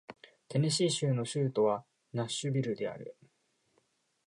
テネシー州の州都はナッシュビルである